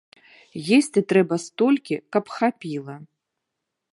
Есці трэба столькі, каб хапіла.